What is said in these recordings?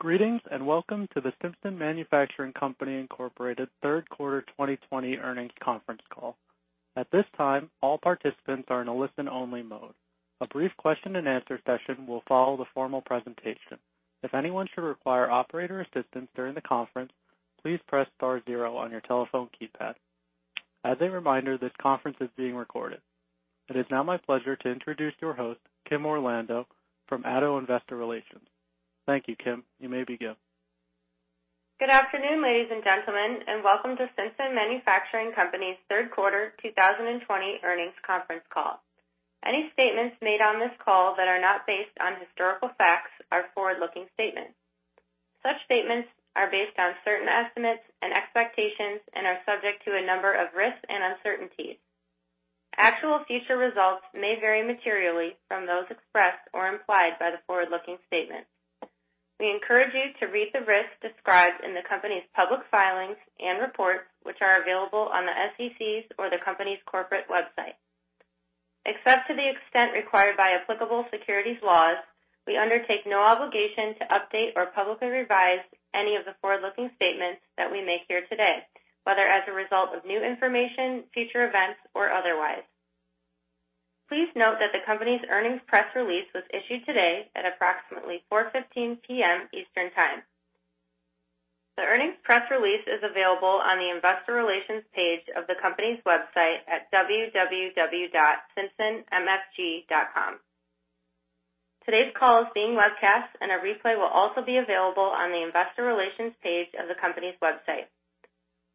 Greetings and welcome to the Simpson Manufacturing Company Incorporated third quarter 2020 earnings conference call. At this time, all participants are in a listen-only mode. A brief question-and-answer session will follow the formal presentation. If anyone should require operator assistance during the conference, please press star zero on your telephone keypad. As a reminder, this conference is being recorded. It is now my pleasure to introduce your host, Kim Orlando, from Addo Investor Relations. Thank you, Kim. You may begin. Good afternoon, ladies and gentlemen, and welcome to Simpson Manufacturing Company's third quarter 2020 earnings conference call. Any statements made on this call that are not based on historical facts are forward-looking statements. Such statements are based on certain estimates and expectations and are subject to a number of risks and uncertainties. Actual future results may vary materially from those expressed or implied by the forward-looking statements. We encourage you to read the risks described in the company's public filings and reports, which are available on the SEC's or the company's corporate website. Except to the extent required by applicable securities laws, we undertake no obligation to update or publicly revise any of the forward-looking statements that we make here today, whether as a result of new information, future events, or otherwise. Please note that the company's earnings press release was issued today at approximately 4:15 P.M. Eastern Time. The earnings press release is available on the investor relations page of the company's website at www.simpsonmfg.com. Today's call is being webcast, and a replay will also be available on the investor relations page of the company's website.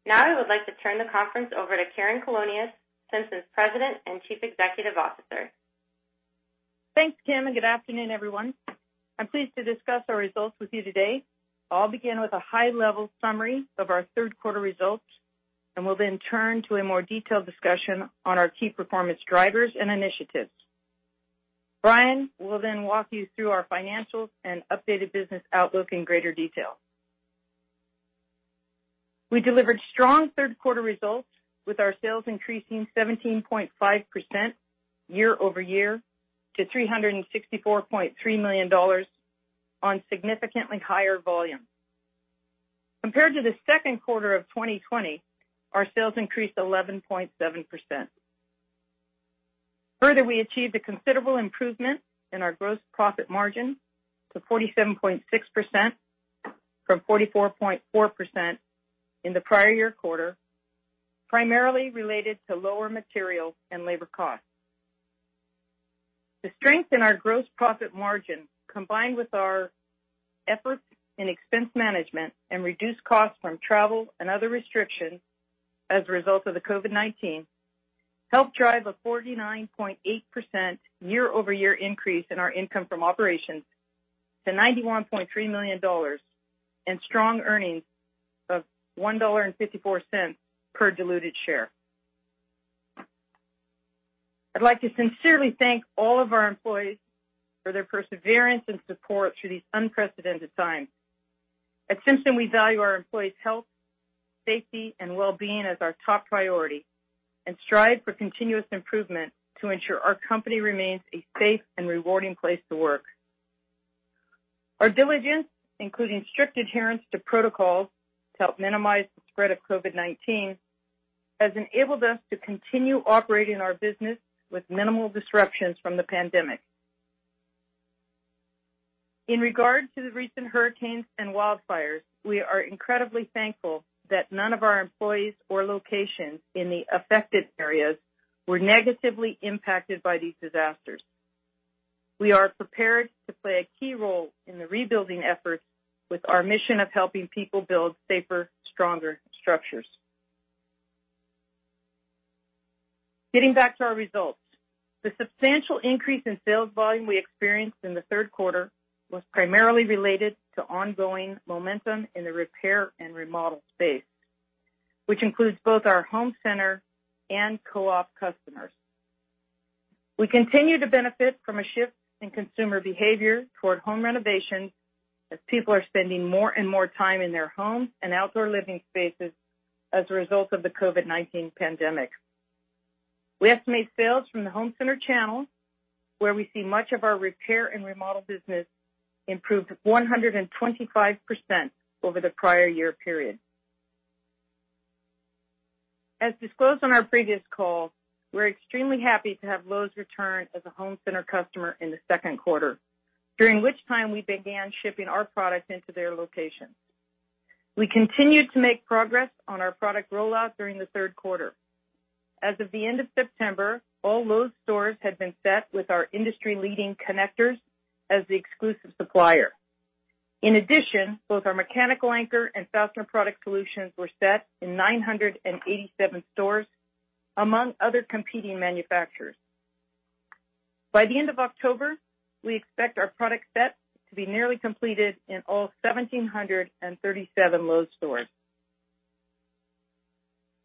Now I would like to turn the conference over to Karen Colonias, Simpson's President and Chief Executive Officer. Thanks, Kim, and good afternoon, everyone. I'm pleased to discuss our results with you today. I'll begin with a high-level summary of our third quarter results, and we'll then turn to a more detailed discussion on our key performance drivers and initiatives. Brian will then walk you through our financials and updated business outlook in greater detail. We delivered strong third quarter results with our sales increasing 17.5% year over year to $364.3 million on significantly higher volume. Compared to the second quarter of 2020, our sales increased 11.7%. Further, we achieved a considerable improvement in our gross profit margin to 47.6% from 44.4% in the prior year quarter, primarily related to lower materials and labor costs. The strength in our gross profit margin, combined with our efforts in expense management and reduced costs from travel and other restrictions as a result of the COVID-19, helped drive a 49.8% year-over-year increase in our income from operations to $91.3 million and strong earnings of $1.54 per diluted share. I'd like to sincerely thank all of our employees for their perseverance and support through these unprecedented times. At Simpson, we value our employees' health, safety, and well-being as our top priority and strive for continuous improvement to ensure our company remains a safe and rewarding place to work. Our diligence, including strict adherence to protocols to help minimize the spread of COVID-19, has enabled us to continue operating our business with minimal disruptions from the pandemic. In regard to the recent hurricanes and wildfires, we are incredibly thankful that none of our employees or locations in the affected areas were negatively impacted by these disasters. We are prepared to play a key role in the rebuilding efforts with our mission of helping people build safer, stronger structures. Getting back to our results, the substantial increase in sales volume we experienced in the third quarter was primarily related to ongoing momentum in the repair and remodel space, which includes both our home center and co-op customers. We continue to benefit from a shift in consumer behavior toward home renovations as people are spending more and more time in their homes and outdoor living spaces as a result of the COVID-19 pandemic. We estimate sales from the home center channel, where we see much of our repair and remodel business, improved 125% over the prior year period. As disclosed on our previous call, we're extremely happy to have Lowe's returned as a home center customer in the second quarter, during which time we began shipping our products into their locations. We continue to make progress on our product rollout during the third quarter. As of the end of September, all Lowe's stores had been set with our industry-leading connectors as the exclusive supplier. In addition, both our mechanical anchor and fastener product solutions were set in 987 stores, among other competing manufacturers. By the end of October, we expect our product set to be nearly completed in all 1,737 Lowe's stores.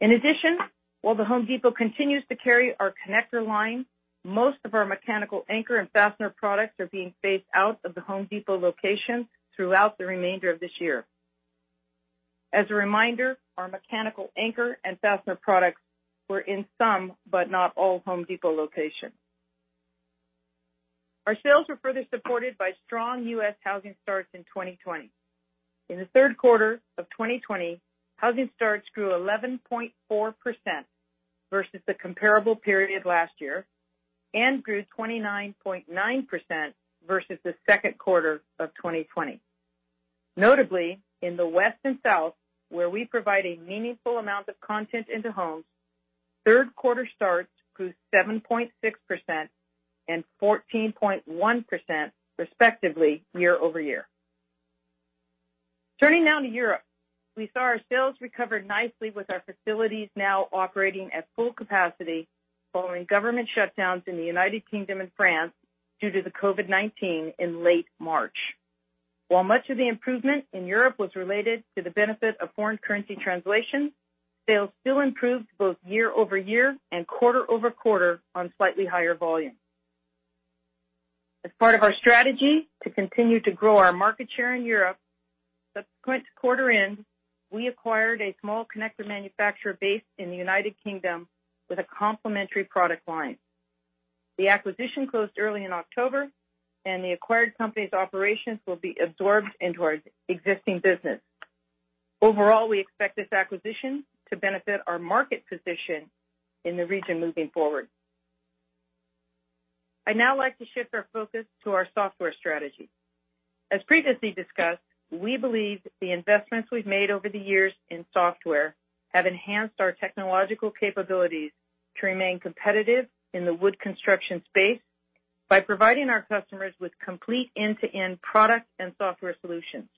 In addition, while the Home Depot continues to carry our connector line, most of our mechanical anchor and fastener products are being phased out of the Home Depot locations throughout the remainder of this year. As a reminder, our mechanical anchor and fastener products were in some, but not all, Home Depot locations. Our sales were further supported by strong U.S. housing starts in 2020. In the third quarter of 2020, housing starts grew 11.4% versus the comparable period last year and grew 29.9% versus the second quarter of 2020. Notably, in the West and South, where we provide a meaningful amount of content into homes, third quarter starts grew 7.6% and 14.1%, respectively, year over year. Turning now to Europe, we saw our sales recover nicely with our facilities now operating at full capacity following government shutdowns in the United Kingdom and France due to the COVID-19 in late March. While much of the improvement in Europe was related to the benefit of foreign currency translation, sales still improved both year over year and quarter over quarter on slightly higher volume. As part of our strategy to continue to grow our market share in Europe, subsequent to quarter end, we acquired a small connector manufacturer based in the United Kingdom with a complementary product line. The acquisition closed early in October, and the acquired company's operations will be absorbed into our existing business. Overall, we expect this acquisition to benefit our market position in the region moving forward. I'd now like to shift our focus to our software strategy. As previously discussed, we believe the investments we've made over the years in software have enhanced our technological capabilities to remain competitive in the wood construction space by providing our customers with complete end-to-end product and software solutions.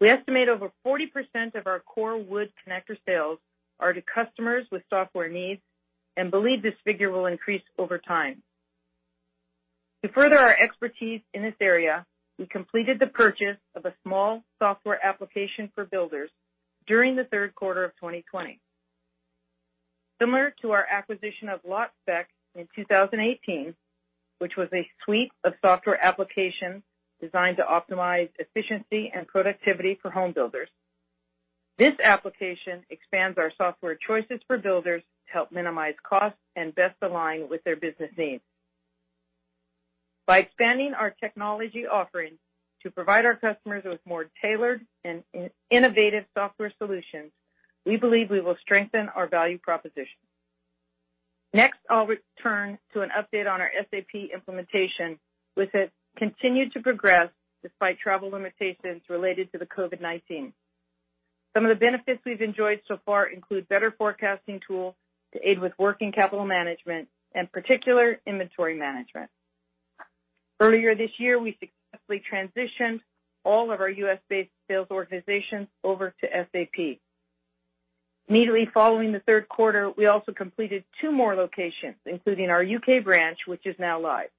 We estimate over 40% of our core wood connector sales are to customers with software needs and believe this figure will increase over time. To further our expertise in this area, we completed the purchase of a small software application for builders during the third quarter of 2020. Similar to our acquisition of LotSpec in 2018, which was a suite of software applications designed to optimize efficiency and productivity for home builders, this application expands our software choices for builders to help minimize costs and best align with their business needs. By expanding our technology offerings to provide our customers with more tailored and innovative software solutions, we believe we will strengthen our value proposition. Next, I'll return to an update on our SAP implementation, which has continued to progress despite travel limitations related to the COVID-19. Some of the benefits we've enjoyed so far include better forecasting tools to aid with working capital management and particular inventory management. Earlier this year, we successfully transitioned all of our U.S.-based sales organizations over to SAP. Immediately following the third quarter, we also completed two more locations, including our U.K. branch, which is now live.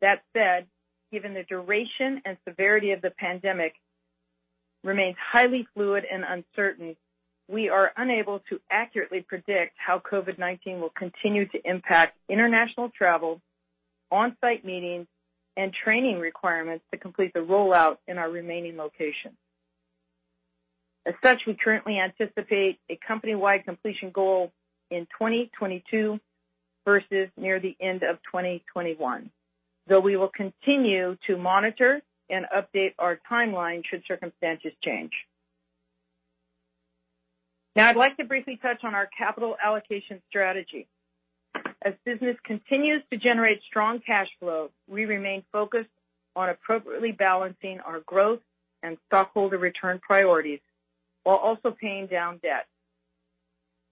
That said, given the duration and severity of the pandemic remains highly fluid and uncertain, we are unable to accurately predict how COVID-19 will continue to impact international travel, on-site meetings, and training requirements to complete the rollout in our remaining locations. As such, we currently anticipate a company-wide completion goal in 2022 versus near the end of 2021, though we will continue to monitor and update our timeline should circumstances change. Now I'd like to briefly touch on our capital allocation strategy. As business continues to generate strong cash flow, we remain focused on appropriately balancing our growth and stockholder return priorities while also paying down debt.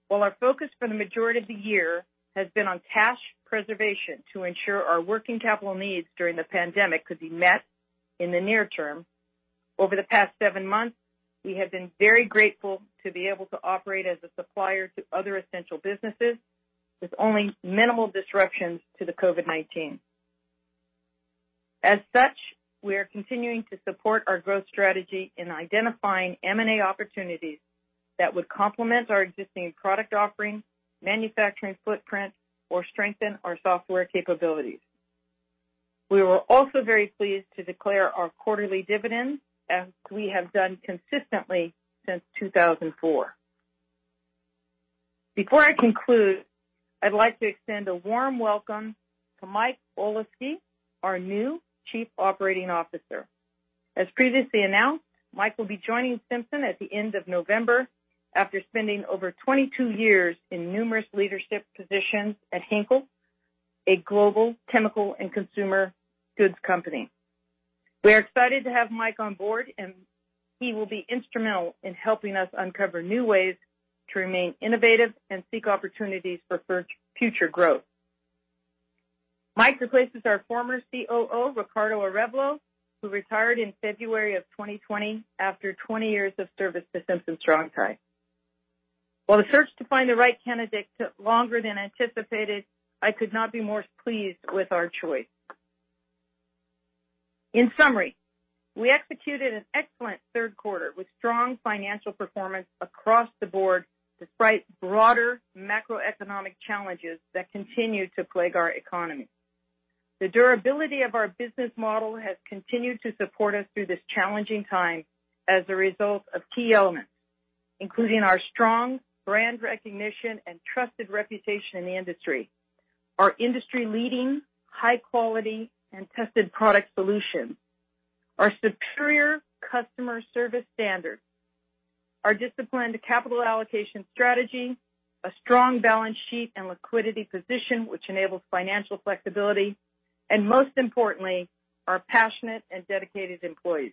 While our focus for the majority of the year has been on cash preservation to ensure our working capital needs during the pandemic could be met in the near term, over the past seven months, we have been very grateful to be able to operate as a supplier to other essential businesses with only minimal disruptions due to the COVID-19. As such, we are continuing to support our growth strategy in identifying M&A opportunities that would complement our existing product offering, manufacturing footprint, or strengthen our software capabilities. We were also very pleased to declare our quarterly dividends, as we have done consistently since 2004. Before I conclude, I'd like to extend a warm welcome to Mike Olosky, our new Chief Operating Officer. As previously announced, Mike will be joining Simpson at the end of November after spending over 22 years in numerous leadership positions at Henkel, a global chemical and consumer goods company. We are excited to have Mike on board, and he will be instrumental in helping us uncover new ways to remain innovative and seek opportunities for future growth. Mike replaces our former COO, Ricardo Arevalo, who retired in February of 2020 after 20 years of service to Simpson Strong-Tie. While the search to find the right candidate took longer than anticipated, I could not be more pleased with our choice. In summary, we executed an excellent third quarter with strong financial performance across the board despite broader macroeconomic challenges that continue to plague our economy. The durability of our business model has continued to support us through this challenging time as a result of key elements, including our strong brand recognition and trusted reputation in the industry, our industry-leading, high-quality, and tested product solutions, our superior customer service standards, our disciplined capital allocation strategy, a strong balance sheet and liquidity position, which enables financial flexibility, and most importantly, our passionate and dedicated employees.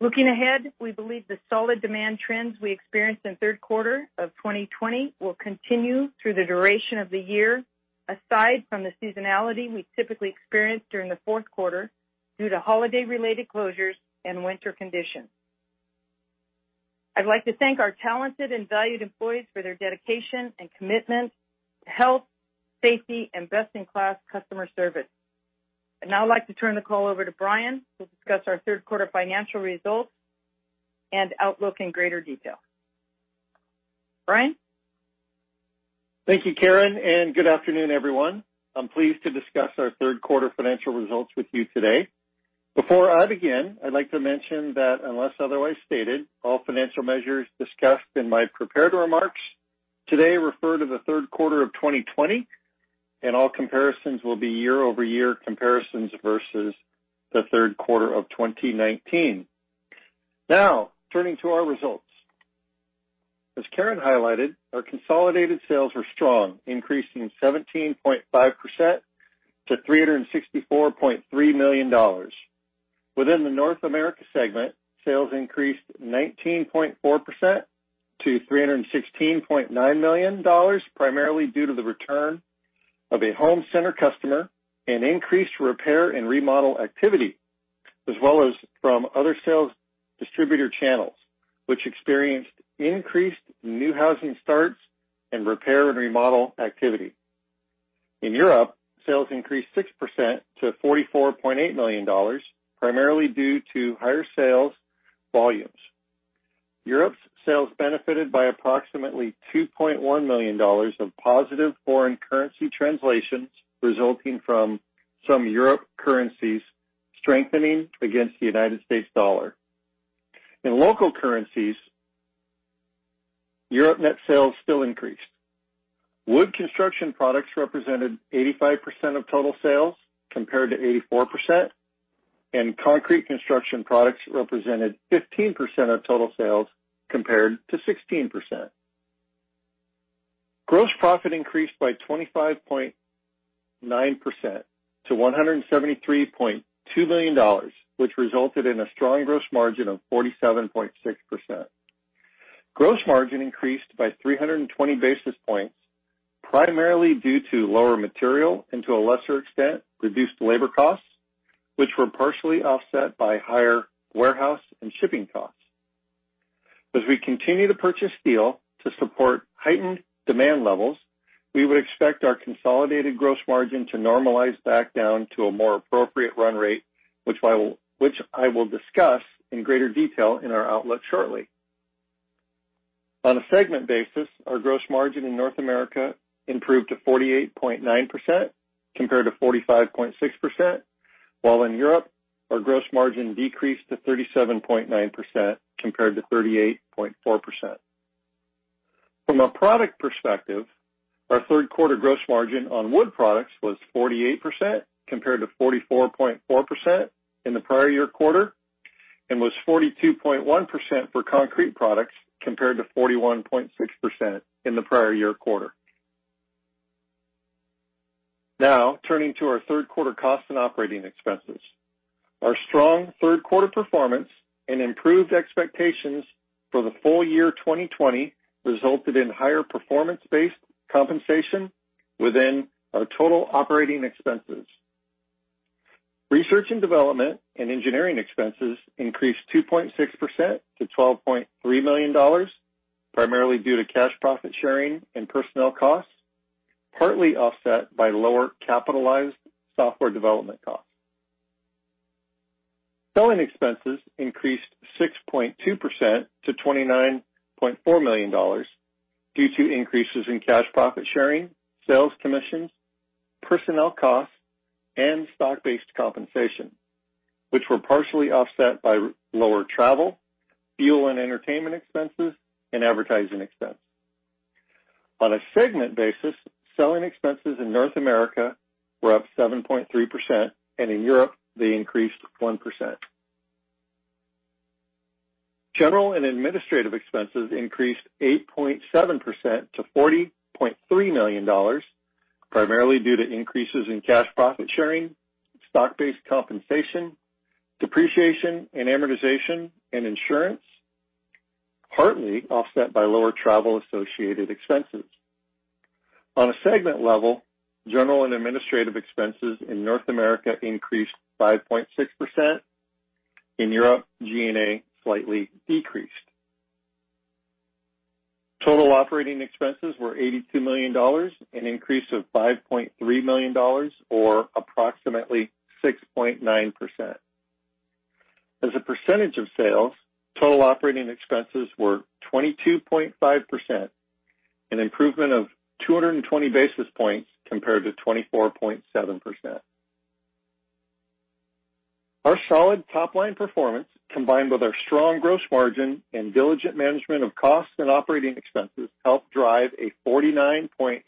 Looking ahead, we believe the solid demand trends we experienced in the third quarter of 2020 will continue through the duration of the year, aside from the seasonality we typically experienced during the fourth quarter due to holiday-related closures and winter conditions. I'd like to thank our talented and valued employees for their dedication and commitment to health, safety, and best-in-class customer service. I'd now like to turn the call over to Brian to discuss our third quarter financial results and outlook in greater detail. Brian? Thank you, Karen, and good afternoon, everyone. I'm pleased to discuss our third quarter financial results with you today. Before I begin, I'd like to mention that, unless otherwise stated, all financial measures discussed in my prepared remarks today refer to the third quarter of 2020, and all comparisons will be year-over-year comparisons versus the third quarter of 2019. Now, turning to our results. As Karen highlighted, our consolidated sales were strong, increasing 17.5% to $364.3 million. Within the North America segment, sales increased 19.4% to $316.9 million, primarily due to the return of a home center customer and increased repair and remodel activity, as well as from other sales distributor channels, which experienced increased new housing starts and repair and remodel activity. In Europe, sales increased 6% to $44.8 million, primarily due to higher sales volumes. Europe's sales benefited by approximately $2.1 million of positive foreign currency translations resulting from some Europe currencies strengthening against the United States dollar. In local currencies, Europe net sales still increased. Wood construction products represented 85% of total sales compared to 84%, and concrete construction products represented 15% of total sales compared to 16%. Gross profit increased by 25.9% to $173.2 million, which resulted in a strong gross margin of 47.6%. Gross margin increased by 320 basis points, primarily due to lower material and, to a lesser extent, reduced labor costs, which were partially offset by higher warehouse and shipping costs. As we continue to purchase steel to support heightened demand levels, we would expect our consolidated gross margin to normalize back down to a more appropriate run rate, which I will discuss in greater detail in our outlook shortly. On a segment basis, our gross margin in North America improved to 48.9% compared to 45.6%, while in Europe, our gross margin decreased to 37.9% compared to 38.4%. From a product perspective, our third quarter gross margin on wood products was 48% compared to 44.4% in the prior year quarter and was 42.1% for concrete products compared to 41.6% in the prior year quarter. Now, turning to our third quarter costs and operating expenses. Our strong third quarter performance and improved expectations for the full year 2020 resulted in higher performance-based compensation within our total operating expenses. Research and development and engineering expenses increased 2.6% to $12.3 million, primarily due to cash profit sharing and personnel costs, partly offset by lower capitalized software development costs. Selling expenses increased 6.2% to $29.4 million due to increases in cash profit sharing, sales commissions, personnel costs, and stock-based compensation, which were partially offset by lower travel, fuel and entertainment expenses, and advertising expenses. On a segment basis, selling expenses in North America were up 7.3%, and in Europe, they increased 1%. General and administrative expenses increased 8.7% to $40.3 million, primarily due to increases in cash profit sharing, stock-based compensation, depreciation and amortization, and insurance, partly offset by lower travel-associated expenses. On a segment level, general and administrative expenses in North America increased 5.6%. In Europe, G&A slightly decreased. Total operating expenses increased $5.3 million to $82 million, or approximately 6.9%. As a percentage of sales, total operating expenses were 22.5%, an improvement of 220 basis points compared to 24.7%. Our solid top-line performance, combined with our strong gross margin and diligent management of costs and operating expenses, helped drive a 49.8%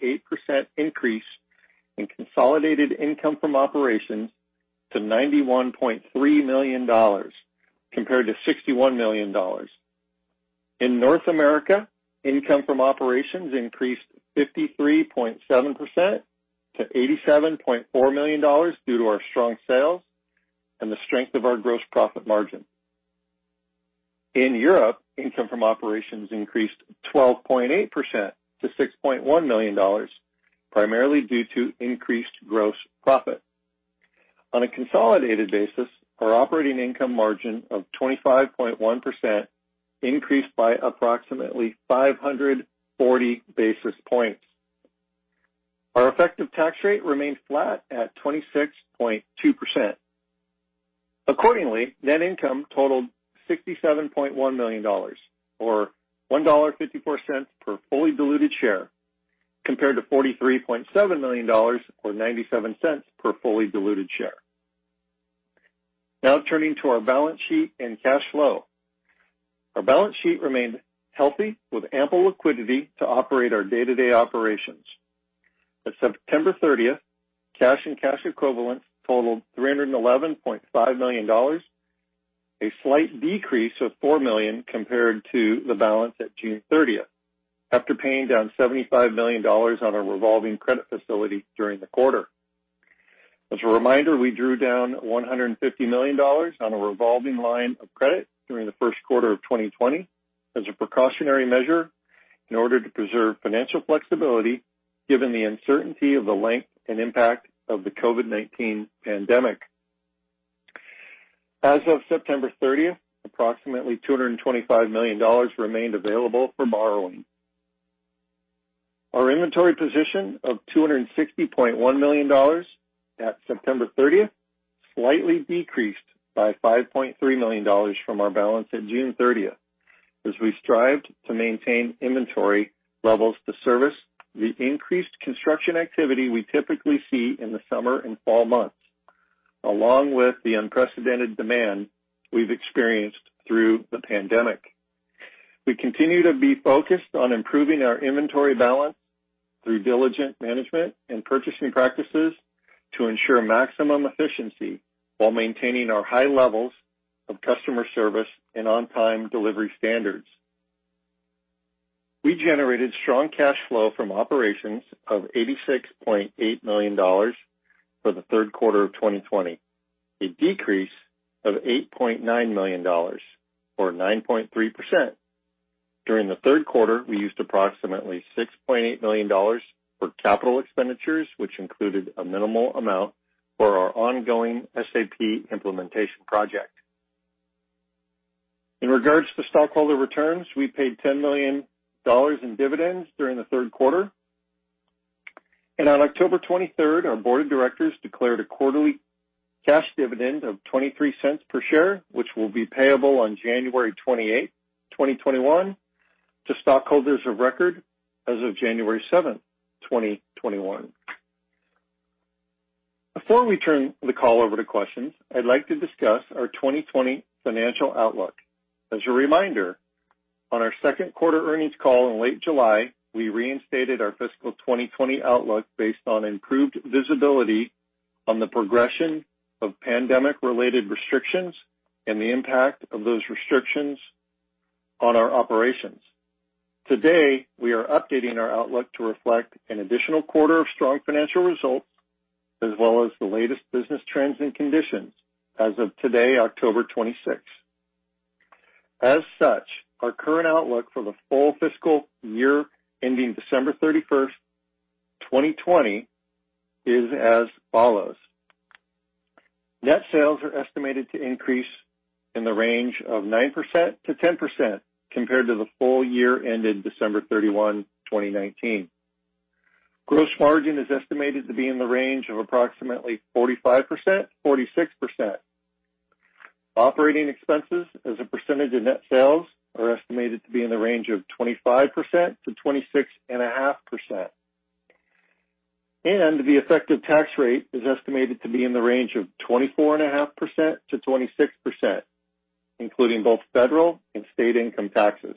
increase in consolidated income from operations to $91.3 million compared to $61 million. In North America, income from operations increased 53.7% to $87.4 million due to our strong sales and the strength of our gross profit margin. In Europe, income from operations increased 12.8% to $6.1 million, primarily due to increased gross profit. On a consolidated basis, our operating income margin of 25.1% increased by approximately 540 basis points. Our effective tax rate remained flat at 26.2%. Accordingly, net income totaled $67.1 million, or $1.54 per fully diluted share, compared to $43.7 million, or $0.97 per fully diluted share. Now turning to our balance sheet and cash flow. Our balance sheet remained healthy, with ample liquidity to operate our day-to-day operations. As of September 30th, cash and cash equivalents totaled $311.5 million, a slight decrease of $4 million compared to the balance at June 30th, after paying down $75 million on a revolving credit facility during the quarter. As a reminder, we drew down $150 million on a revolving line of credit during the first quarter of 2020 as a precautionary measure in order to preserve financial flexibility, given the uncertainty of the length and impact of the COVID-19 pandemic. As of September 30th, approximately $225 million remained available for borrowing. Our inventory position of $260.1 million at September 30th slightly decreased by $5.3 million from our balance at June 30th. As we strived to maintain inventory levels to service the increased construction activity we typically see in the summer and fall months, along with the unprecedented demand we've experienced through the pandemic, we continue to be focused on improving our inventory balance through diligent management and purchasing practices to ensure maximum efficiency while maintaining our high levels of customer service and on-time delivery standards. We generated strong cash flow from operations of $86.8 million for the third quarter of 2020, a decrease of $8.9 million, or 9.3%. During the third quarter, we used approximately $6.8 million for capital expenditures, which included a minimal amount for our ongoing SAP implementation project. In regards to stockholder returns, we paid $10 million in dividends during the third quarter. And on October 23rd, our board of directors declared a quarterly cash dividend of $0.23 per share, which will be payable on January 28, 2021, to stockholders of record as of January 7th, 2021. Before we turn the call over to questions, I'd like to discuss our 2020 financial outlook. As a reminder, on our second quarter earnings call in late July, we reinstated our fiscal 2020 outlook based on improved visibility on the progression of pandemic-related restrictions and the impact of those restrictions on our operations. Today, we are updating our outlook to reflect an additional quarter of strong financial results, as well as the latest business trends and conditions as of today, October 26th. As such, our current outlook for the full fiscal year ending December 31st, 2020, is as follows. Net sales are estimated to increase in the range of 9%-10% compared to the full year ended December 31, 2019. Gross margin is estimated to be in the range of approximately 45%-46%. Operating expenses, as a percentage of net sales, are estimated to be in the range of 25%-26.5%, and the effective tax rate is estimated to be in the range of 24.5%-26%, including both federal and state income taxes.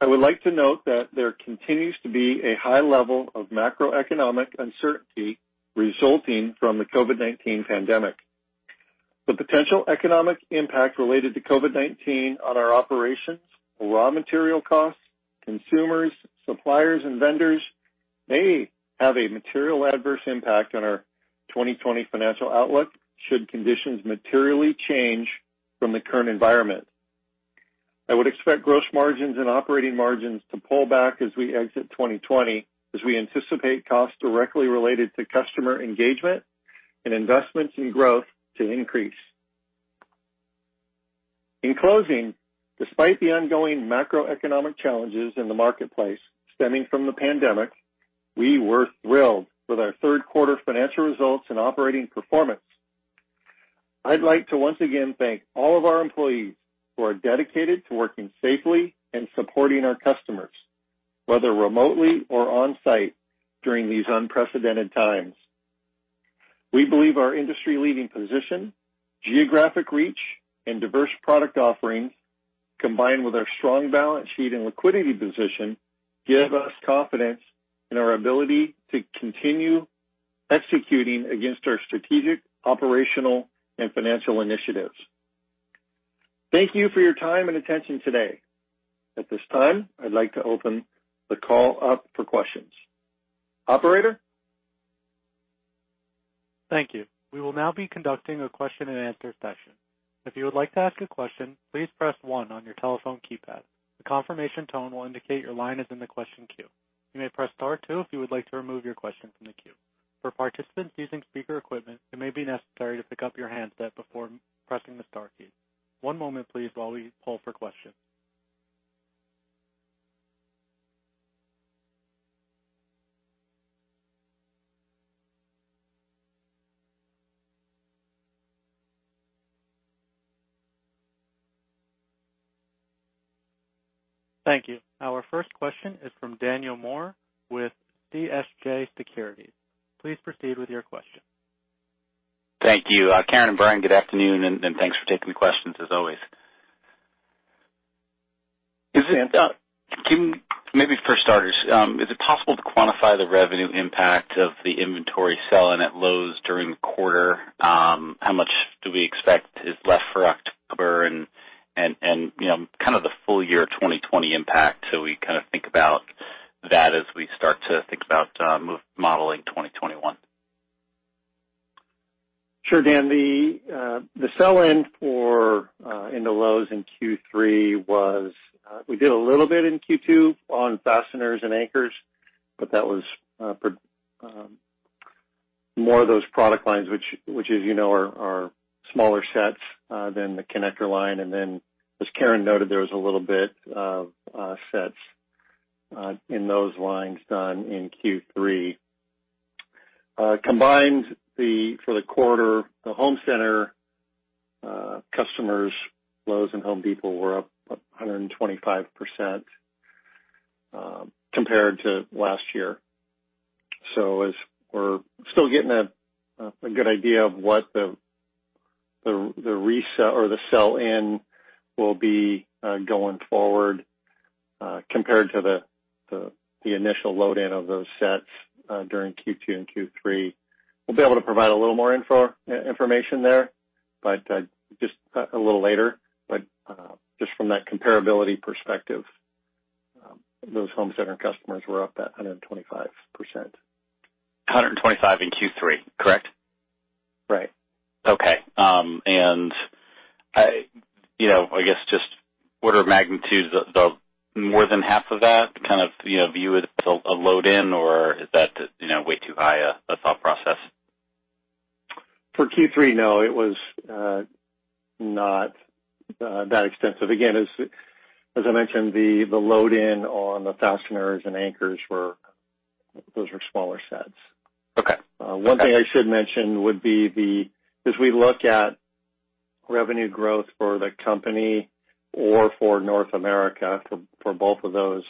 I would like to note that there continues to be a high level of macroeconomic uncertainty resulting from the COVID-19 pandemic. The potential economic impact related to COVID-19 on our operations, raw material costs, consumers, suppliers, and vendors may have a material adverse impact on our 2020 financial outlook should conditions materially change from the current environment. I would expect gross margins and operating margins to pull back as we exit 2020, as we anticipate costs directly related to customer engagement and investments in growth to increase. In closing, despite the ongoing macroeconomic challenges in the marketplace stemming from the pandemic, we were thrilled with our third quarter financial results and operating performance. I'd like to once again thank all of our employees who are dedicated to working safely and supporting our customers, whether remotely or on-site, during these unprecedented times. We believe our industry-leading position, geographic reach, and diverse product offerings, combined with our strong balance sheet and liquidity position, give us confidence in our ability to continue executing against our strategic operational and financial initiatives. Thank you for your time and attention today. At this time, I'd like to open the call up for questions. Operator? Thank you. We will now be conducting a question-and-answer session. If you would like to ask a question, please press one on your telephone keypad. The confirmation tone will indicate your line is in the question queue. You may press star two if you would like to remove your question from the queue. For participants using speaker equipment, it may be necessary to pick up your handset before pressing the star key. One moment, please, while we pull for questions. Thank you. Our first question is from Daniel Moore with CJS Securities. Please proceed with your question. Thank you. Karen and Brian, good afternoon, and thanks for taking the questions as always. Maybe for starters, is it possible to quantify the revenue impact of the inventory selling at Lowe's during the quarter? How much do we expect is left for October and kind of the full year 2020 impact? So we kind of think about that as we start to think about modeling 2021. Sure, Dan. The sell-in in the Lowe's in Q3 was we did a little bit in Q2 on fasteners and anchors, but that was more of those product lines, which, as you know, are smaller sets than the connector line. And then, as Karen noted, there was a little bit of sets in those lines done in Q3. Combined, for the quarter, the home center customers, Lowe's, and Home Depot were up 125% compared to last year. So we're still getting a good idea of what the resale or the sell-in will be going forward compared to the initial load-in of those sets during Q2 and Q3. We'll be able to provide a little more information there, but just a little later. But just from that comparability perspective, those home center customers were up at 125%. 125 in Q3, correct? Right. Okay. And I guess just what are magnitudes? More than half of that kind of view it as a load-in, or is that way too high a thought process? For Q3, no, it was not that extensive. Again, as I mentioned, the load-in on the fasteners and anchors, those were smaller sets. One thing I should mention would be as we look at revenue growth for the company or for North America, for both of those,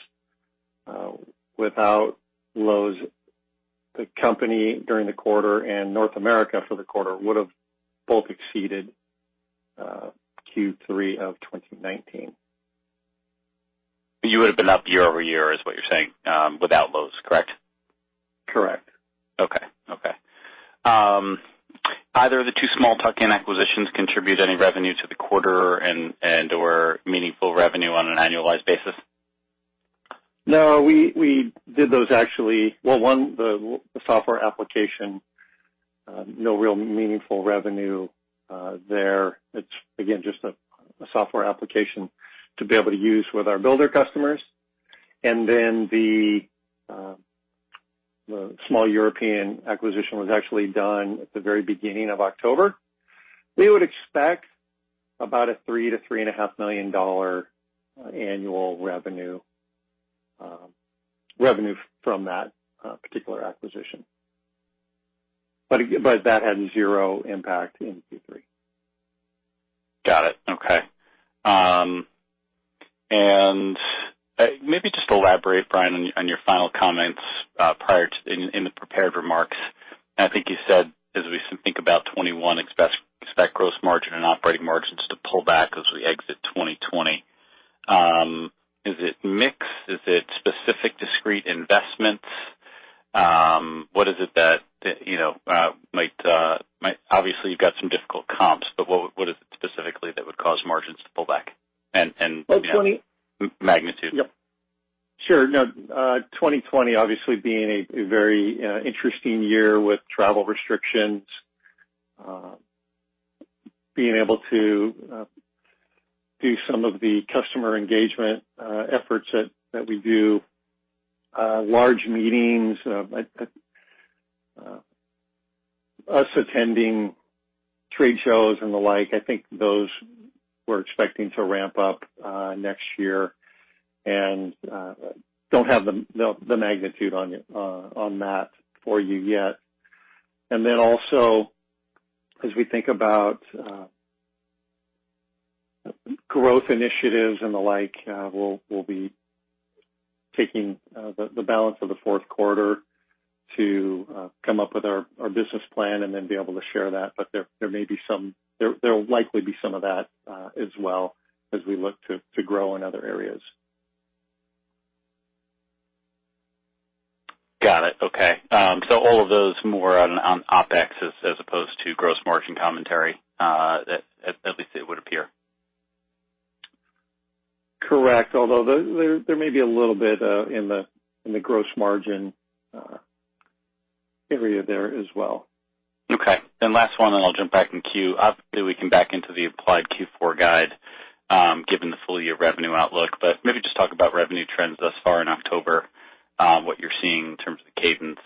without Lowe's, the company during the quarter and North America for the quarter would have both exceeded Q3 of 2019. You would have been up year over year, is what you're saying, without Lowe's, correct? Correct. Okay. Okay. Either of the two small tuck-in acquisitions contribute any revenue to the quarter and/or meaningful revenue on an annualized basis? No. We did those actually well, one, the software application, no real meaningful revenue there. It's, again, just a software application to be able to use with our builder customers. And then the small European acquisition was actually done at the very beginning of October. We would expect about a $3-$3.5 million annual revenue from that particular acquisition. But that had zero impact in Q3. Got it. Okay. And maybe just elaborate, Brian, on your final comments in the prepared remarks. I think you said, as we think about 2021, expect gross margin and operating margins to pull back as we exit 2020. Is it mixed? Is it specific discrete investments? What is it that might obviously, you've got some difficult comps, but what is it specifically that would cause margins to pull back? And magnitude? Sure. No, 2020, obviously, being a very interesting year with travel restrictions, being able to do some of the customer engagement efforts that we do, large meetings, us attending trade shows and the like. I think those we're expecting to ramp up next year and don't have the magnitude on that for you yet. And then also, as we think about growth initiatives and the like, we'll be taking the balance of the fourth quarter to come up with our business plan and then be able to share that. But there may be some. There will likely be some of that as well as we look to grow in other areas. Got it. Okay. So all of those more on OpEx as opposed to gross margin commentary, at least it would appear. Correct. Although there may be a little bit in the gross margin area there as well. Okay. And last one, and I'll jump back in queue. Obviously, we can back into the applied Q4 guide given the full year revenue outlook, but maybe just talk about revenue trends thus far in October, what you're seeing in terms of cadence.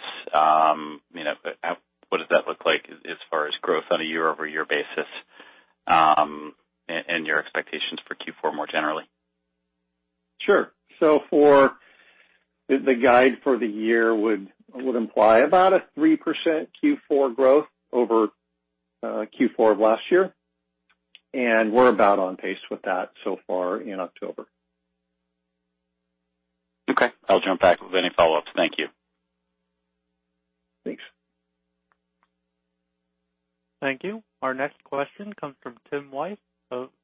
What does that look like as far as growth on a year-over-year basis and your expectations for Q4 more generally? Sure. So the guide for the year would imply about a 3% Q4 growth over Q4 of last year. And we're about on pace with that so far in October. Okay. I'll jump back with any follow-ups. Thank you. Thanks. Thank you. Our next question comes from Tim Wojs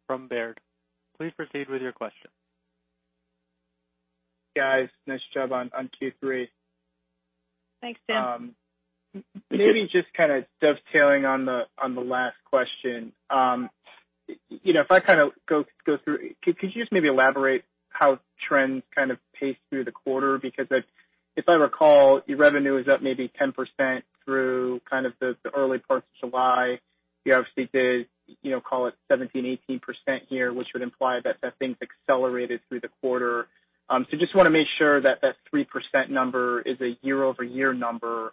from Baird. Please proceed with your question. Hey, guys. Nice job on Q3. Thanks, Tim. Maybe just kind of dovetailing on the last question, if I kind of go through, could you just maybe elaborate how trends kind of paced through the quarter? Because if I recall, your revenue was up maybe 10% through kind of the early parts of July. You obviously did call it 17%-18% here, which would imply that things accelerated through the quarter. So just want to make sure that that 3% number is a year-over-year number,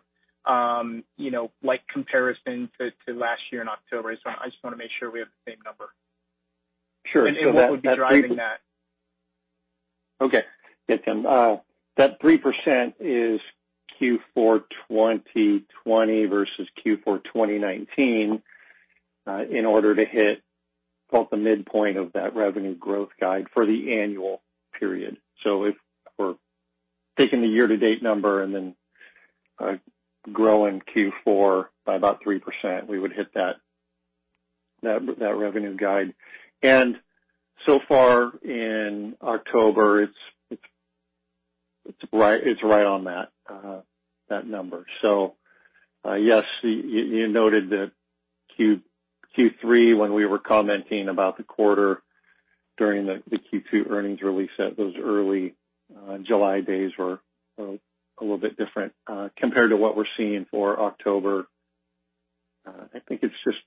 like comparison to last year in October. I just want to make sure we have the same number. Sure. So what would be driving that? Okay. Yeah, Tim. That 3% is Q4 2020 versus Q4 2019 in order to hit both the midpoint of that revenue growth guide for the annual period. So if we're taking the year-to-date number and then growing Q4 by about 3%, we would hit that revenue guide. And so far in October, it's right on that number. So yes, you noted that Q3, when we were commenting about the quarter during the Q2 earnings release, those early July days were a little bit different compared to what we're seeing for October. I think it's just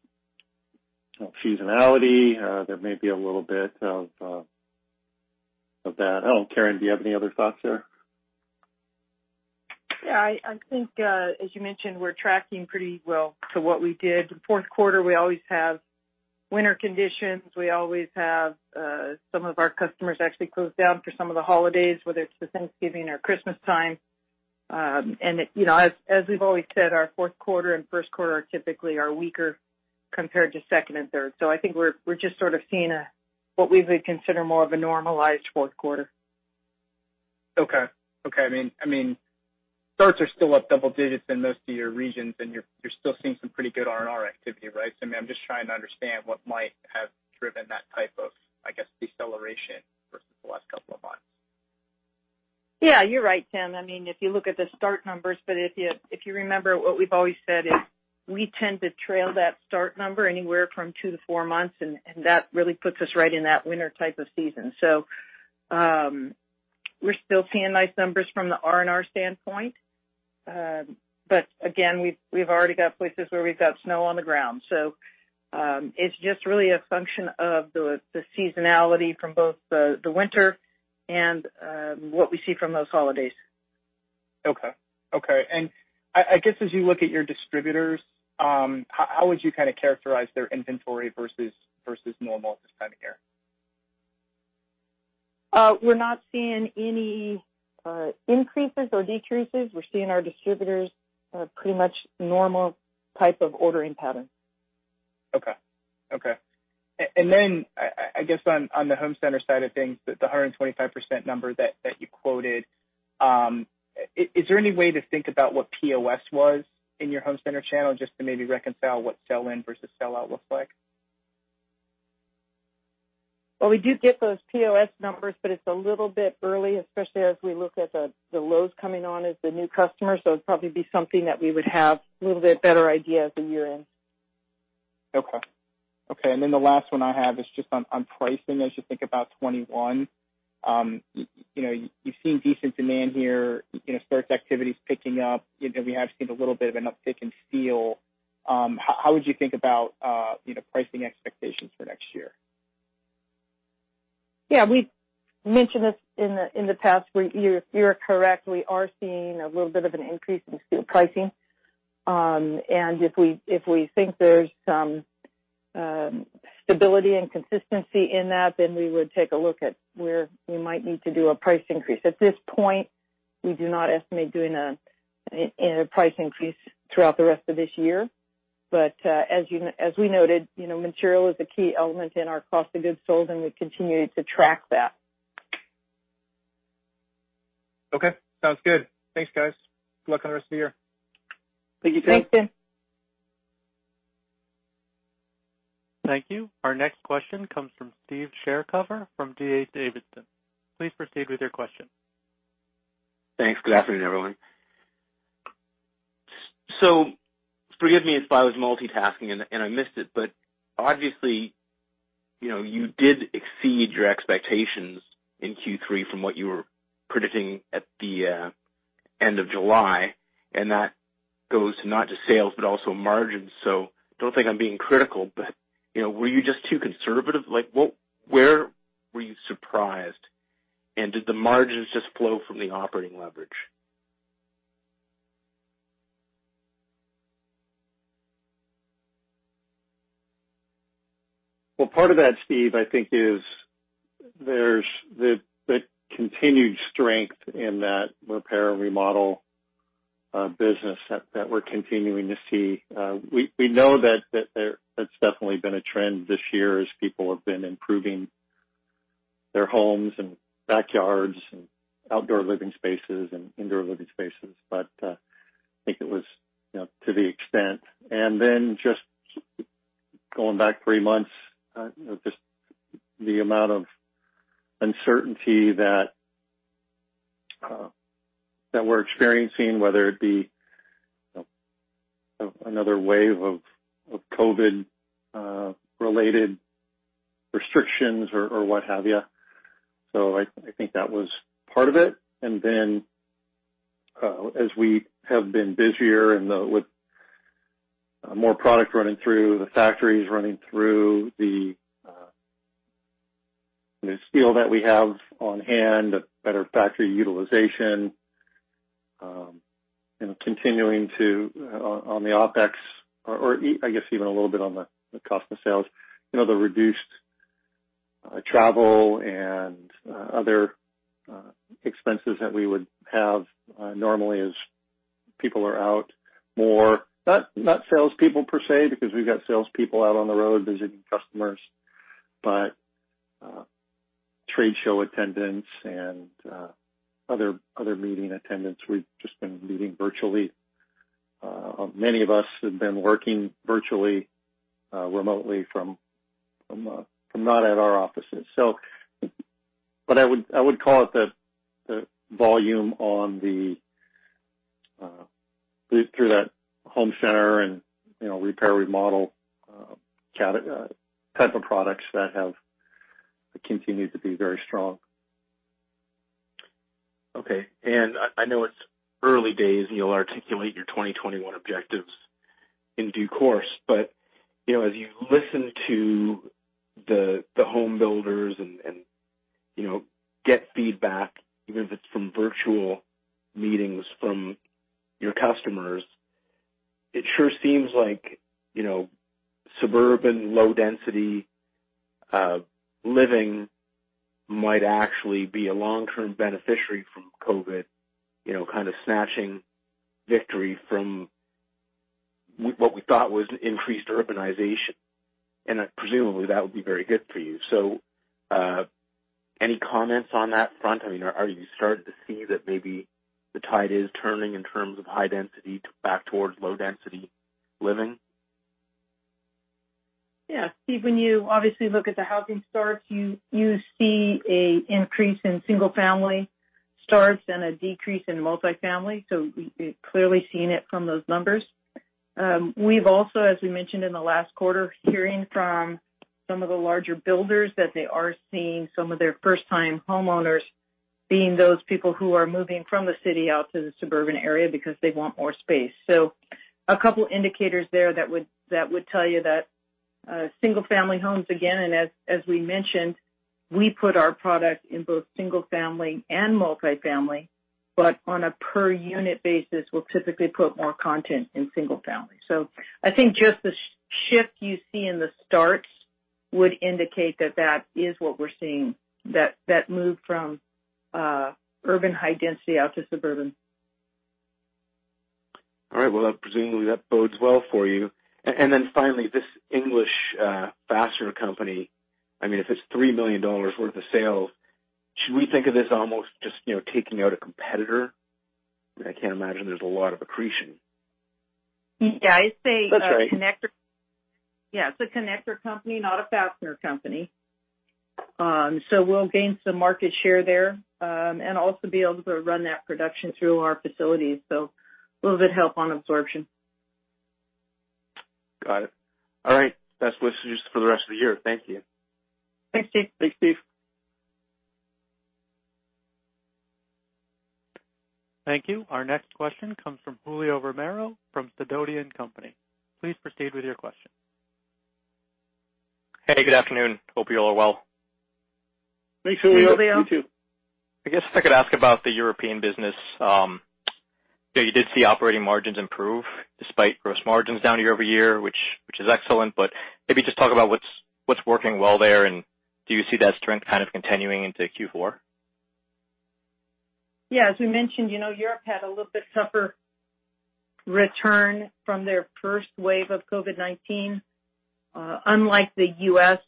seasonality. There may be a little bit of that. Oh, Karen, do you have any other thoughts there? Yeah. I think, as you mentioned, we're tracking pretty well to what we did. Fourth quarter, we always have winter conditions. We always have some of our customers actually close down for some of the holidays, whether it's the Thanksgiving or Christmas time. And as we've always said, our fourth quarter and first quarter are typically weaker compared to second and third. So I think we're just sort of seeing what we would consider more of a normalized fourth quarter. Okay. Okay. I mean, starts are still up double digits in most of your regions, and you're still seeing some pretty good R&R activity, right? So I mean, I'm just trying to understand what might have driven that type of, I guess, deceleration versus the last couple of months. Yeah. You're right, Tim. I mean, if you look at the start numbers, but if you remember what we've always said, we tend to trail that start number anywhere from two to four months, and that really puts us right in that winter type of season. So we're still seeing nice numbers from the R&R standpoint. But again, we've already got places where we've got snow on the ground. It's just really a function of the seasonality from both the winter and what we see from those holidays. Okay. Okay. And I guess as you look at your distributors, how would you kind of characterize their inventory versus normal at this time of year? We're not seeing any increases or decreases. We're seeing our distributors pretty much normal type of ordering pattern. Okay. Okay. And then I guess on the home center side of things, the 125% number that you quoted, is there any way to think about what POS was in your home center channel just to maybe reconcile what sell-in versus sell-out looks like? Well, we do get those POS numbers, but it's a little bit early, especially as we look at the Lowe's coming on as the new customer. So it'd probably be something that we would have a little bit better idea as the year ends. Okay. Okay. And then the last one I have is just on pricing. As you think about 2021, you've seen decent demand here, starts activities picking up. We have seen a little bit of an uptick in steel. How would you think about pricing expectations for next year? Yeah. We mentioned this in the past. You're correct. We are seeing a little bit of an increase in steel pricing. And if we think there's some stability and consistency in that, then we would take a look at where we might need to do a price increase. At this point, we do not estimate doing a price increase throughout the rest of this year. But as we noted, material is a key element in our cost of goods sold, and we continue to track that. Okay. Sounds good. Thanks, guys. Good luck on the rest of the year. Thank you, Tim. Thanks, Tim. Thank you. Our next question comes from Steve Chercover from D.A. Davidson. Please proceed with your question. Thanks. Good afternoon, everyone. So forgive me if I was multitasking and I missed it, but obviously, you did exceed your expectations in Q3 from what you were predicting at the end of July. And that goes to not just sales, but also margins. So don't think I'm being critical, but were you just too conservative? Where were you surprised? And did the margins just flow from the operating leverage? Well, part of that, Steve, I think, is the continued strength in that repair and remodel business that we're continuing to see. We know that that's definitely been a trend this year as people have been improving their homes and backyards and outdoor living spaces and indoor living spaces. But I think it was to the extent, and then just going back three months, just the amount of uncertainty that we're experiencing, whether it be another wave of COVID-related restrictions or what have you. So I think that was part of it, and then as we have been busier and with more product running through the factories, running through the steel that we have on hand, better factory utilization, and continuing to on the OpEx, or I guess even a little bit on the cost of sales, the reduced travel and other expenses that we would have normally as people are out more. Not salespeople per se, because we've got salespeople out on the road visiting customers, but trade show attendance and other meeting attendance. We've just been meeting virtually. Many of us have been working virtually, remotely from, not at, our offices. But I would call it the volume on the throughput that home center and repair and remodel type of products that have continued to be very strong. Okay. And I know it's early days, and you'll articulate your 2021 objectives in due course. But as you listen to the home builders and get feedback, even if it's from virtual meetings from your customers, it sure seems like suburban, low-density living might actually be a long-term beneficiary from COVID, kind of snatching victory from what we thought was increased urbanization. And presumably, that would be very good for you. So any comments on that front? I mean, are you starting to see that maybe the tide is turning in terms of high density back towards low-density living? Yeah. Steve, when you obviously look at the housing starts, you see an increase in single-family starts and a decrease in multi-family. So we've clearly seen it from those numbers. We've also, as we mentioned in the last quarter, hearing from some of the larger builders that they are seeing some of their first-time homeowners being those people who are moving from the city out to the suburban area because they want more space. So a couple of indicators there that would tell you that single-family homes, again, and as we mentioned, we put our product in both single-family and multi-family, but on a per-unit basis, we'll typically put more content in single-family. So, I think just the shift you see in the starts would indicate that that is what we're seeing, that move from urban high density out to suburban. All right. Well, presumably, that bodes well for you. And then finally, this English fastener company, I mean, if it's $3 million worth of sales, should we think of this almost just taking out a competitor? I mean, I can't imagine there's a lot of accretion. Yeah. It's a connector. Yeah. It's a connector company, not a fastener company. So we'll gain some market share there and also be able to run that production through our facilities. So a little bit of help on absorption. Got it. All right. Best wishes for the rest of the year. Thank you. Thanks, Steve. Thanks, Steve. Thank you. Our next question comes from Julio Romero from Sidoti & Company. Please proceed with your question. Hey, good afternoon. Hope you all are well. Thanks, Julio. You too. I guess if I could ask about the European business, you did see operating margins improve despite gross margins down year over year, which is excellent. But maybe just talk about what's working well there and do you see that strength kind of continuing into Q4? Yeah. As we mentioned, Europe had a little bit tougher return from their first wave of COVID-19. Unlike the U.S.,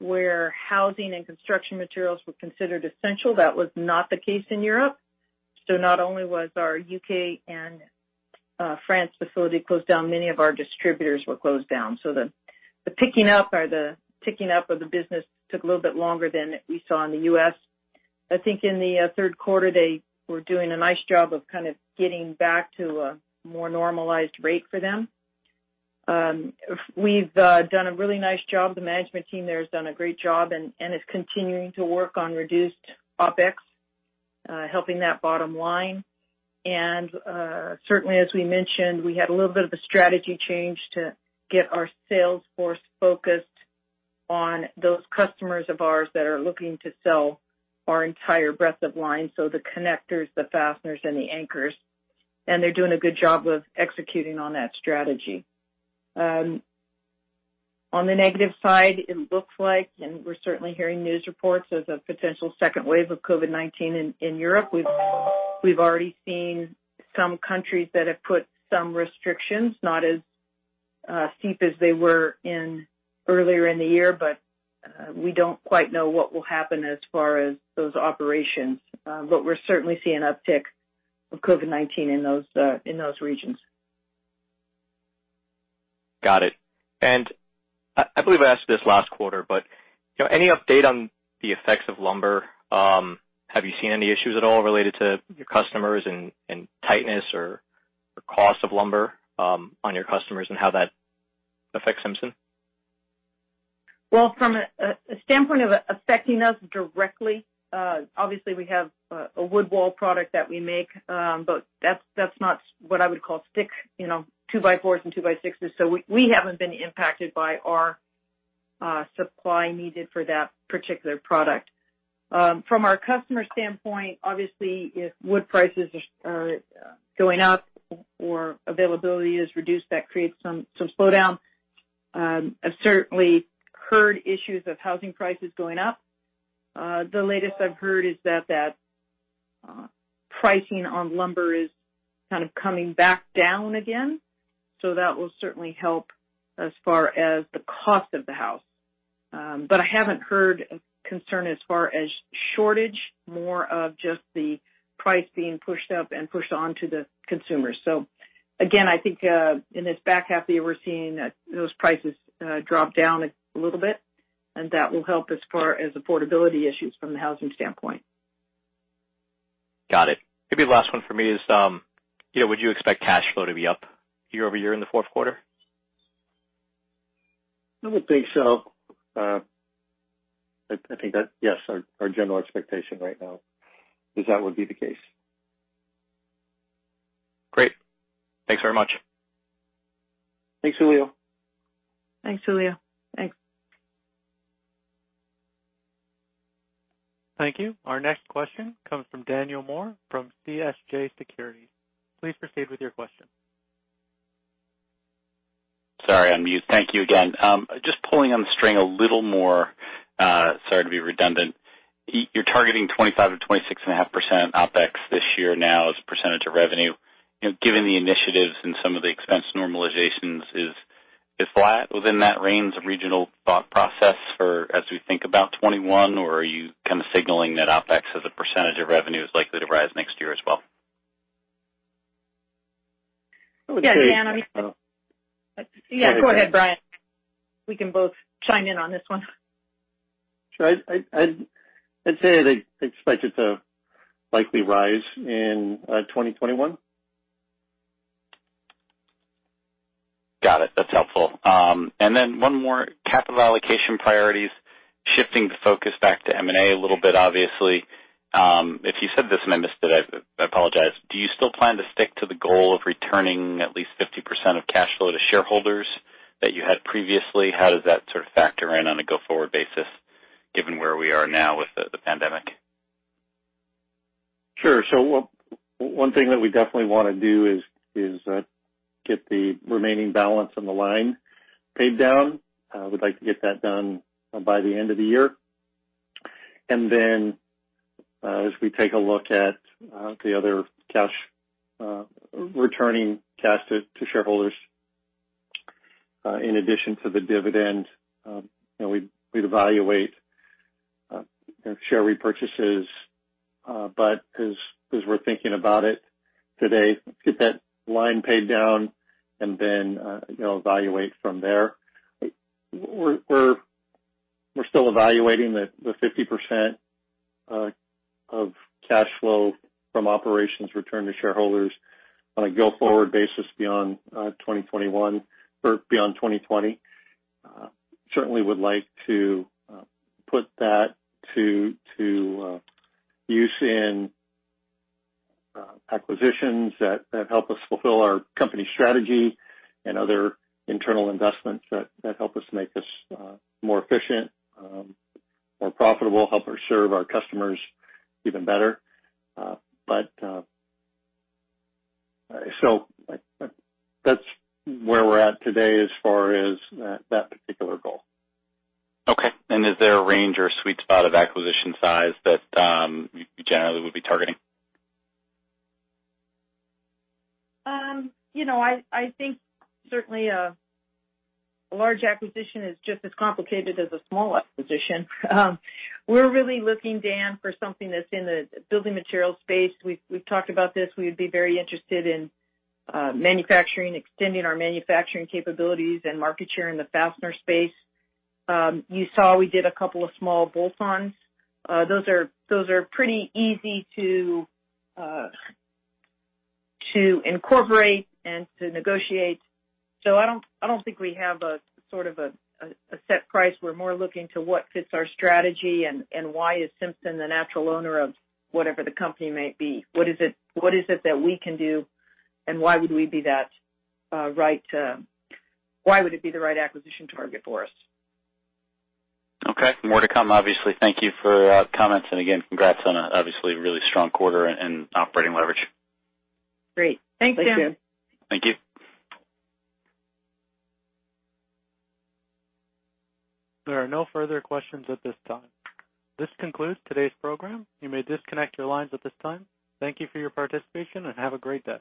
where housing and construction materials were considered essential, that was not the case in Europe. So not only was our U.K. and France facility closed down, many of our distributors were closed down. So the picking up or the ticking up of the business took a little bit longer than we saw in the U.S. I think in the third quarter, they were doing a nice job of kind of getting back to a more normalized rate for them. We've done a really nice job. The management team there has done a great job and is continuing to work on reduced OpEx, helping that bottom line. And certainly, as we mentioned, we had a little bit of a strategy change to get our sales force focused on those customers of ours that are looking to sell our entire breadth of line, so the connectors, the fasteners, and the anchors. And they're doing a good job of executing on that strategy. On the negative side, it looks like, and we're certainly hearing news reports of a potential second wave of COVID-19 in Europe. We've already seen some countries that have put some restrictions, not as steep as they were earlier in the year, but we don't quite know what will happen as far as those operations, but we're certainly seeing an uptick of COVID-19 in those regions. Got it, and I believe I asked you this last quarter, but any update on the effects of lumber? Have you seen any issues at all related to your customers and tightness or cost of lumber on your customers and how that affects Simpson? Well, from a standpoint of affecting us directly, obviously, we have a wood wall product that we make, but that's not what I would call stick, 2x4s and 2x6s, so we haven't been impacted by our supply needed for that particular product. From our customer standpoint, obviously, if wood prices are going up or availability is reduced, that creates some slowdown. I've certainly heard issues of housing prices going up. The latest I've heard is that pricing on lumber is kind of coming back down again. So that will certainly help as far as the cost of the house. But I haven't heard a concern as far as shortage, more of just the price being pushed up and pushed on to the consumers. So again, I think in this back half of the year, we're seeing those prices drop down a little bit, and that will help as far as affordability issues from the housing standpoint. Got it. Maybe the last one for me is, would you expect cash flow to be up year over year in the fourth quarter? I would think so. I think that, yes, our general expectation right now is that would be the case. Great. Thanks very much. Thanks, Julio. Thanks, Julio. Thanks. Thank you. Our next question comes from Daniel Moore from CJS Securities. Please proceed with your question. Sorry, I'm muted. Thank you again. Just pulling on the string a little more, sorry to be redundant. You're targeting 25%-26.5% OpEx this year now as a percentage of revenue. Given the initiatives and some of the expense normalizations, is flat within that range a reasonable thought process for as we think about 2021, or are you kind of signaling that OpEx as a percentage of revenue is likely to rise next year as well? Yeah, Dan, I mean, yeah, go ahead, Brian. We can both chime in on this one. Sure. I'd say I expect it to likely rise in 2021. Got it. That's helpful. And then one more, capital allocation priorities, shifting the focus back to M&A a little bit, obviously. If you said this and I missed it, I apologize. Do you still plan to stick to the goal of returning at least 50% of cash flow to shareholders that you had previously? How does that sort of factor in on a go-forward basis, given where we are now with the pandemic? Sure. So one thing that we definitely want to do is get the remaining balance on the line paid down. We'd like to get that done by the end of the year. And then as we take a look at the other cash returning cash to shareholders, in addition to the dividend, we'd evaluate share repurchases. But as we're thinking about it today, let's get that line paid down and then evaluate from there. We're still evaluating the 50% of cash flow from operations returned to shareholders on a go-forward basis beyond 2021 or beyond 2020. Certainly would like to put that to use in acquisitions that help us fulfill our company strategy and other internal investments that help us make us more efficient, more profitable, help us serve our customers even better. But, so that's where we're at today as far as that particular goal. Okay. And is there a range or sweet spot of acquisition size that you generally would be targeting? I think certainly a large acquisition is just as complicated as a small acquisition. We're really looking, Dan, for something that's in the building materials space. We've talked about this. We would be very interested in manufacturing, extending our manufacturing capabilities and market share in the fastener space. You saw we did a couple of small bolt-ons. Those are pretty easy to incorporate and to negotiate. So I don't think we have a sort of a set price. We're more looking to what fits our strategy and why is Simpson the natural owner of whatever the company might be. What is it that we can do and why would we be that right? Why would it be the right acquisition target for us? Okay. More to come, obviously. Thank you for comments. And again, congrats on an obviously really strong quarter and operating leverage. Great. Thanks, Dan. Thank you. Thank you. There are no further questions at this time. This concludes today's program. You may disconnect your lines at this time. Thank you for your participation and have a great day.